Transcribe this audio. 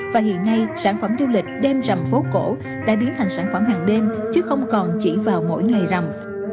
và hiện nay sản phẩm du lịch đêm rằm phố cổ đã biến thành sản phẩm hàng đêm chứ không còn chỉ vào mỗi ngày rằm